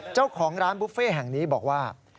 เจ้าของร้านบุฟเฟ่แห่งนี้บอกว่า